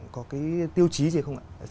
có cái tiêu chí gì không ạ